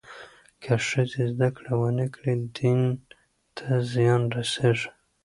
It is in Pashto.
که ښځې زدهکړه ونه کړي، دین ته زیان رسېږي.